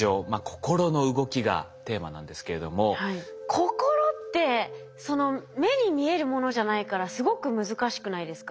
心って目に見えるものじゃないからすごく難しくないですか。